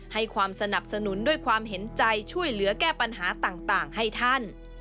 ให้ความสนับสนุนด้วยความเห็นใจช่วยเหลือแก้ปัญหาต่างให้ท่าน